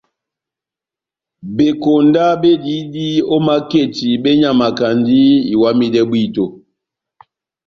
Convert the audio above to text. Bekonda bediyidi ó maketi benyamakandi iwamidɛ bwíto.